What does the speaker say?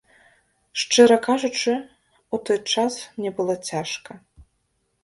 Шчыра кажучы, у той час мне было цяжка.